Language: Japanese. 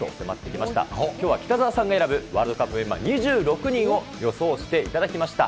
きょうは北澤さんが選ぶワールドカップメンバー２６人を予想していただきました。